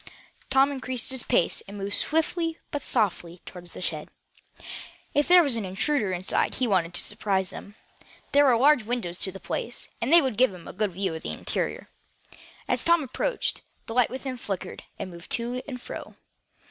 Tom increased his pace, and moved swiftly but softly toward the shed. If there was an intruder inside he wanted to surprise him. There were large windows to the place, and they would give a good view of the interior. As Tom approached, the light within flickered, and moved to and fro.